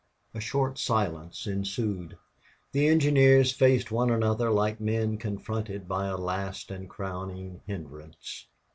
A short silence ensued. The engineers faced one another like men confronted by a last and crowning hindrance.